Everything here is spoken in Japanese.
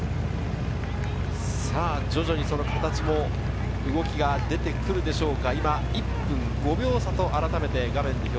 徐々にその形も動きが出てくるでしょうか。